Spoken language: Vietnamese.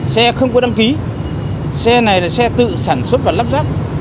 xe không có đăng ký xe này là xe tự sản xuất và lắp ráp